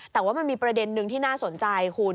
แต่ว่ามันมีประเด็นนึงที่น่าสนใจคุณ